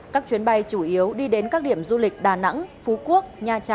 các chuyến bay chủ yếu đi đến các điểm du lịch đà nẵng phú quốc nha trang côn đảo